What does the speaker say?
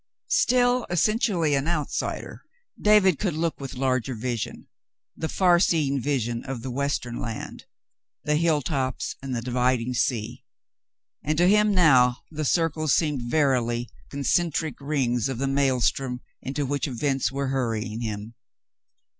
Still essentially an outsider, David could look with larger vision — the far seeing vision of the western land, the hilltops and the dividing sea, — and to him now the circles seemed verily the concentric rings of the maelstrom into which events were hurrying him.